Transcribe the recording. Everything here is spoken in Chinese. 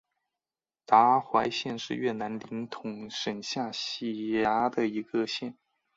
达怀县是越南林同省下辖的一个县。